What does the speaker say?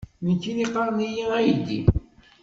Nekkini qqaren-iyi aydi!